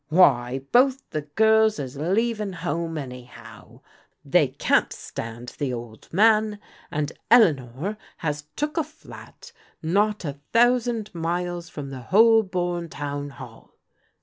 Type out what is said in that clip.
*Why, both the girls is leavin' home anyhow. They can't stand the old man, and Eleanor has took a flat not a thousand miles from die Holbora Town Hall.